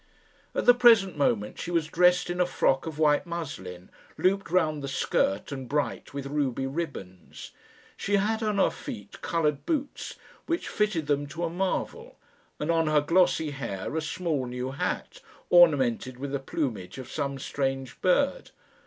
At the present moment she was dressed in a frock of white muslin, looped round the skirt, and bright with ruby ribbons. She had on her feet coloured boots, which fitted them to a marvel, and on her glossy hair a small new hat, ornamented with the plumage of some strange bird.